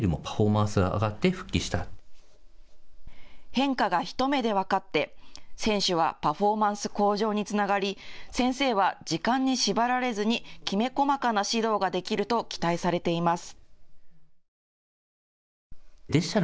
変化が一目で分かって選手はパフォーマンス向上につながり先生は時間に縛られずにきめ細かな指導ができると期待されています。